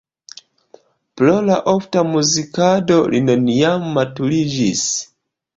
Pro la ofta muzikado li neniam maturiĝis.